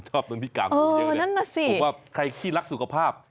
ผมชอบตรงนี้กากหมูเยอะแหละผมว่าใครที่รักสุขภาพ